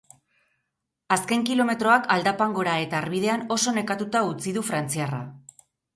Azken kilometroak, aldapan gora eta harbidean, oso nekatuta utzi du frantziarra.